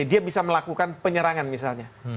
dia bisa melakukan penyerangan misalnya